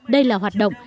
đây là hoạt động